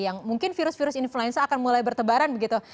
yang mungkin virus virus influenza akan mulai bertebaran begitu